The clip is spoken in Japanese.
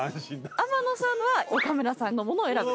天野さんは岡村さんのものを選ぶ。